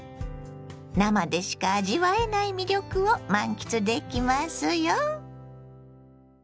生でしか味わえない魅力を満喫できますよ。